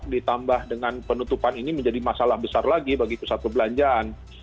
ditambah dengan penutupan ini menjadi masalah besar lagi bagi pusat perbelanjaan